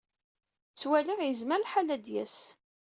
Ttwaliɣ yezmer lḥal ad d-yas.